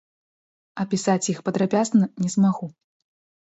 Апісаць іх падрабязна не змагу.